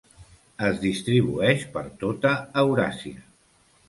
Es distribueix per tota Euràsia.